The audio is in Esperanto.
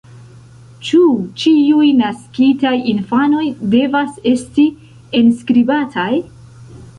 Ĉu ĉiuj naskitaj infanoj devas esti enskribataj?